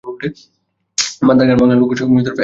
Mother গান বাংলার লোকসংস্কৃতির এক অমূল্য সৃষ্টি।